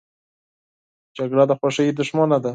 جګړه د خوښۍ دښمنه ده